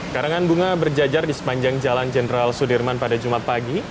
karangan bunga berjajar di sepanjang jalan jenderal sudirman pada jumat pagi